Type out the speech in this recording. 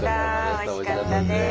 おいしかったです。